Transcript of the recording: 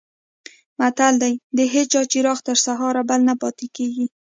متل دی: د هېچا چراغ تر سهاره بل نه پاتې کېږي.